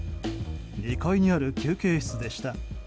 ２階にある休憩室でした。